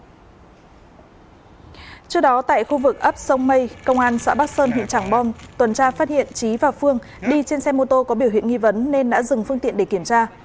trước đó tại khu vực ấp sông mây công an xã bắc sơn huyện trảng bom tuần tra phát hiện trí và phương đi trên xe mô tô có biểu hiện nghi vấn nên đã dừng phương tiện để kiểm tra